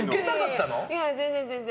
全然、全然。